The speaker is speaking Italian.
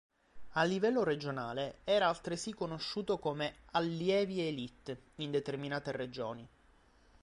A livello regionale, era altresì conosciuto come "Allievi Elite" in determinate regioni.